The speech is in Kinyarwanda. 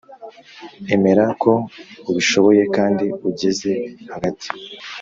emera ko ubishoboye kandi ugeze hagati.